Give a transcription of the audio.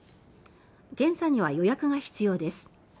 検査には予約が必要です。